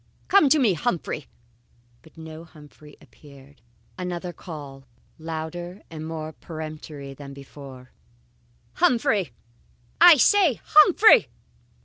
Come to me, Humphrey!" But no Humphrey appeared. Another call, louder and more peremptory than before: "Humphrey! I say, Humphrey!"